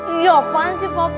iya apaan sih bapak